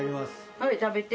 はい食べて。